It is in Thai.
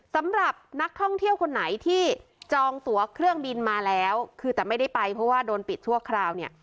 สำหรับนักท่องเที่ยวคนไหนที่จองตัวเครื่องบินมาแล้วคือแต่ไม่ได้ไปเพราะว่าโดนปิดชั่วคราวเนี่ย